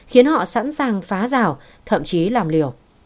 khiến họ sẵn sàng phá rào thậm chí làm liều